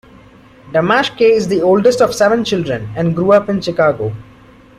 Damaschke is the oldest of seven children, and grew up in Chicago.